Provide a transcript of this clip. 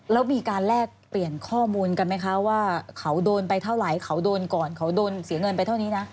แล้วมีการแลกเปลี่ยนข้อมูลกันไหมคะว่าเขาโดนไปเท่าไหร่เขาโดนก่อนเขาโดนเสียเงินไปเท่านี้นะ